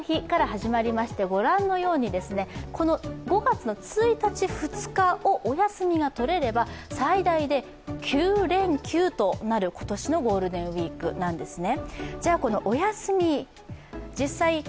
５月１日、２日をお休みが取れれば最大で９連休となる今年のゴールデンウイークなんですね。